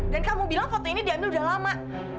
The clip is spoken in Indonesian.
dan kamu bilang foto ini diambil udah lama